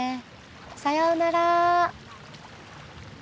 さようなら。